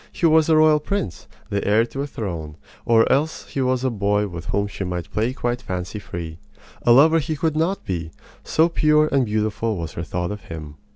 He was a royal prince, the heir to a throne, or else he was a boy with whom she might play quite fancy free. A lover he could not be so pure and beautiful was her thought of him.